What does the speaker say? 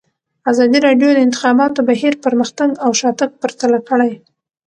ازادي راډیو د د انتخاباتو بهیر پرمختګ او شاتګ پرتله کړی.